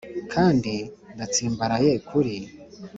kandi ndatsimbaraye kuri,